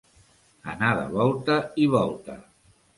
Anar de volta i volta.